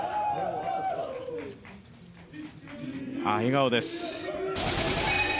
笑顔です。